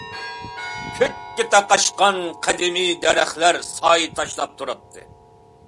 كۆككە تاقاشقان قەدىمىي دەرەخلەر سايە تاشلاپ تۇراتتى.